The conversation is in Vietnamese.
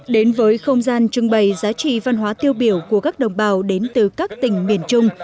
đến với không gian trưng bày giá trị văn hóa tiêu biểu của các đồng bào đến từ các tỉnh miền trung